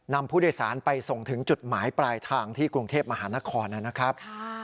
นำผู้โดยสารไปส่งถึงจุดหมายปลายทางที่กรุงเทพมหานครนะครับ